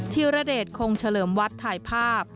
ธีรเดชคงเฉลิมวัดถ่ายภาพ